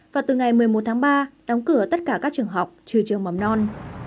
và từ ngày một mươi một tháng ba đóng cửa tất cả các trường học trừ trường mầm non